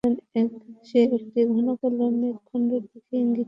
সে একটি ঘন কাল মেঘখণ্ডের দিকে ইংগিত করল।